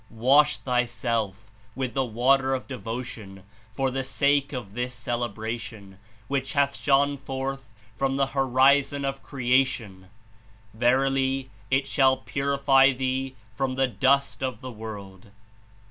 Wash thyself with the water of devotion for the sake of this Celebration, which hath shone forth from the horizon of creation; verily, it shall purify thee from the dust of the world."